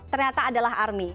ternyata adalah army